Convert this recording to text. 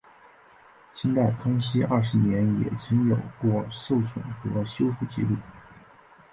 清代康熙二十年也曾有过受损和修复纪录。